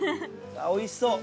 おいしそう！